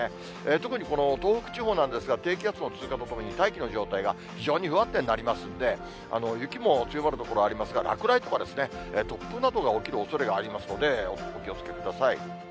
特にこの東北地方なんですが、低気圧の通過とともに大気の状態が非常に不安定になりますんで、雪も強まる所ありますが、落雷とか、突風などが起きるおそれがありますので、お気をつけください。